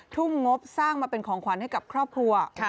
ทุ่มงบสร้างมาเป็นของขวัญให้กับครอบครัว